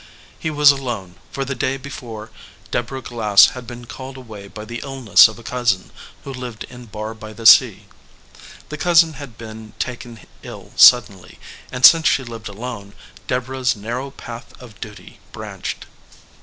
He was alone, for the day before Deborah Glass had been called away by the illness of a cousin who lived in Barr by the Sea. The cousin had been taken ill suddenly, and since she lived alone, Deb orah s narrow path of duty branched.